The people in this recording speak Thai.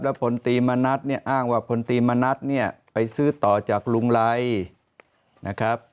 พลตรีมณัฐเนี่ยอ้างว่าพลตรีมณัฐเนี่ยไปซื้อต่อจากลุงไรนะครับ